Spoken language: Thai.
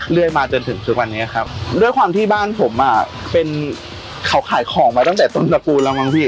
เรื่อยมาจนถึงทุกวันนี้ครับด้วยความที่บ้านผมอ่ะเป็นเขาขายของมาตั้งแต่ต้นตระกูลแล้วมั้งพี่